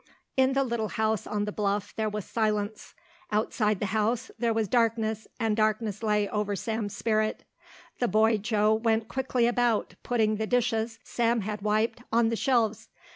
In the little house on the bluff there was silence. Outside the house there was darkness and darkness lay over Sam's spirit. The boy Joe went quickly about, putting the dishes Sam had wiped on the shelves.